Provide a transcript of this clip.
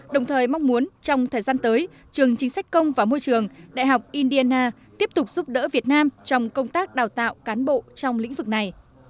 đồng thời mong muốn trong thời gian tới trường chính sách công và môi trường đại học indiana tiếp tục giúp đỡ việt nam trong công tác đào tạo cán bộ trong lĩnh vực này